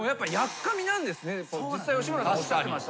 実際吉村さんもおっしゃってましたけど。